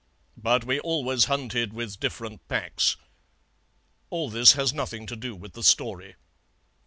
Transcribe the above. But we always hunted with different packs. All this has nothing to do with the story."